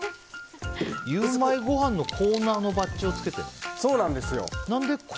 ゆウマいごはんのコーナーのバッジをつけてるの？